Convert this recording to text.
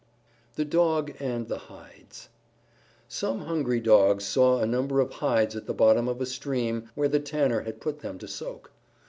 _ THE DOGS AND THE HIDES Some hungry Dogs saw a number of hides at the bottom of a stream where the Tanner had put them to soak.